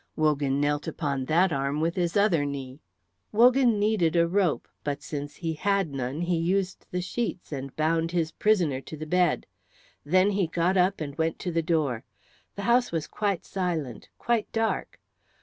Wogan knelt upon that arm with his other knee. Wogan needed a rope, but since he had none he used the sheets and bound his prisoner to the bed. Then he got up and went to the door. The house was quite silent, quite dark.